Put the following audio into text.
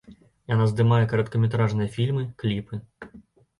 Яна здымае кароткаметражныя фільмы, кліпы.